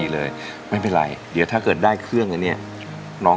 ร้องร้องร้องร้องร้องร้องร้องร้องร้อง